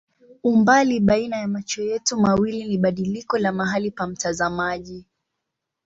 Umbali baina ya macho yetu mawili ni badiliko la mahali pa mtazamaji.